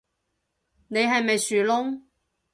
你係咪樹窿